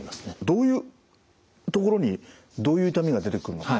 どういうところにどういう痛みが出てくるのか？